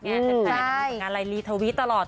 ทำงานลายลีทวิตตลอด